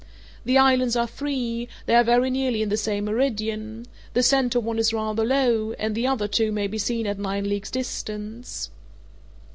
The islands are three, they are very nearly in the same meridian; the centre one is rather low, and the other two may be seen at nine leagues' distance."